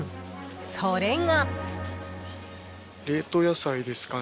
［それが］